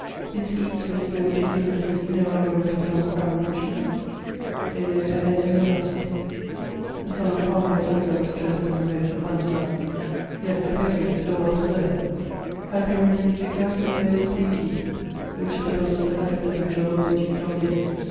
His feet, restored to humility, no longer rested on crown cushions; they lay bare in their dust. The son of Condé also was dressed in the moat at Vincennes; yet Napoleon, so well preserved, had been reduced to exactly those "three teeth" which the bullets had left in the jaw of the Duc d'Enghien.